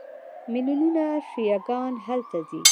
میلیونونه شیعه ګان هلته ځي.